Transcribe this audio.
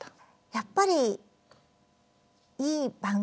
やっぱりいい番組。